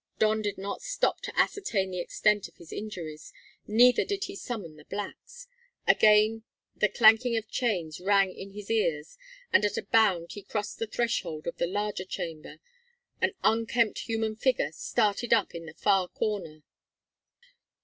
Don did not stop to ascertain the extent of his injuries. Neither did he summon the blacks. Again the clanking of chains rang in his ears, and at a bound he crossed the threshold of the larger chamber, An unkempt human figure started up in the far corner.